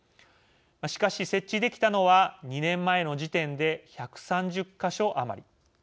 しかし、設置できたのは２年前の時点で１３０か所余り。